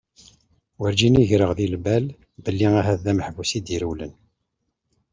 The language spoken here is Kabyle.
Werǧin i d-greɣ di lbal belli ahat d ameḥbus i d-irewlen.